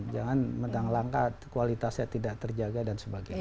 jangan menanglangkat kualitasnya tidak terjaga dan sebagainya